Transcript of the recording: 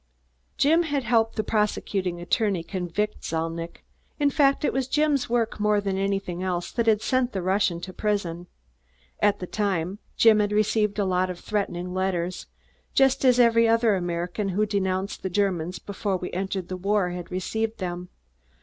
Jim had helped the prosecuting attorney convict Zalnitch; in fact it was Jim's work more than anything else that had sent the Russian to prison. At the time, Jim had received a lot of threatening letters, just as every other American who denounced the Germans before we entered the war had received them.